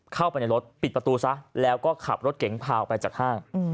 เข้าไปในรถปิดประตูซะแล้วก็ขับรถเก๋งพาออกไปจากห้าง